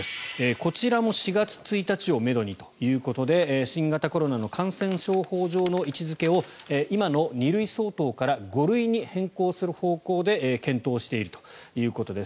こちらも４月１日をめどにということで新型コロナの感染症法上の位置付けを今の２類相当から５類に変更する方向で検討をしているということです。